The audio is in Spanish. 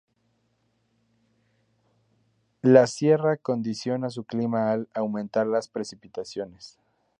La sierra condiciona su clima al aumentar las precipitaciones.